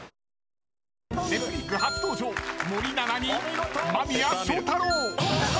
「ネプリーグ」初登場森七菜に間宮祥太朗。